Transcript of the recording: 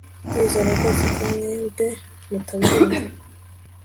Ndizera rwose ko mwebwe mutabyumva